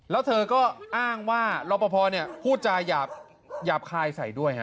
แล้วเธอก็อ้างว่ารอปภพูดจาหยาบคายใส่ด้วย